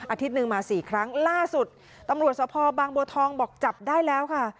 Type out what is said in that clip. หนึ่งมาสี่ครั้งล่าสุดตำรวจสภบางบัวทองบอกจับได้แล้วค่ะ